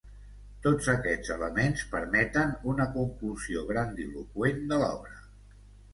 Tots aquests elements permeten una conclusió grandiloqüent de l'obra.